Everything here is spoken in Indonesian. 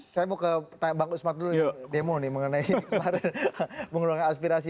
saya mau ke bang usman dulu demo nih mengenai kemarin mengeluarkan aspirasi